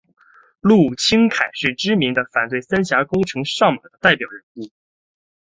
陆钦侃是知名的反对三峡工程上马的代表人物。